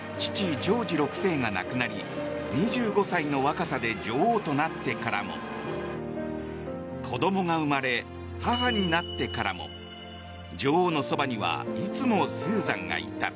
ジョージ６世が亡くなり２５歳の若さで女王となってからも子供が生まれ母になってからも女王のそばにはいつもスーザンがいた。